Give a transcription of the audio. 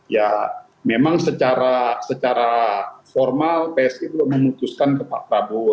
ya memang secara formal psi belum memutuskan ke pak prabowo